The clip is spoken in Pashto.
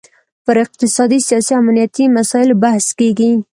پر اقتصادي، سیاسي او امنیتي مسایلو بحث کیږي